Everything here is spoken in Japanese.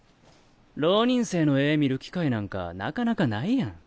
浪人生の絵見る機会なんかなかなかないやん。